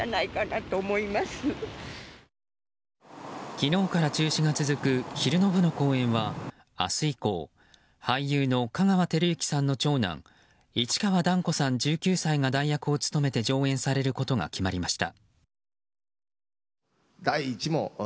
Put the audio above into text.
昨日から中止が続く昼の部の公演は明日以降俳優の香川照之さんの長男市川團子さん、１９歳が代役を務めて上演されることが決まりました。